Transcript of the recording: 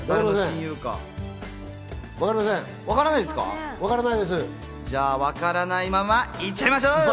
じゃあ、わからないんないまま行っちゃいましょう。